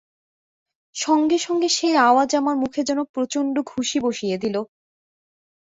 সঙ্গে সঙ্গে সেই আওয়াজ আমার মুখে যেন প্রচণ্ড ঘুষি বসিয়ে দিল।